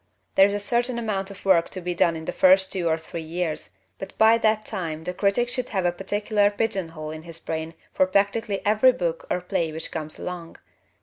There is a certain amount of work to be done in the first two or three years, but by that time the critic should have a particular pigeonhole in his brain for practically every book or play which comes along.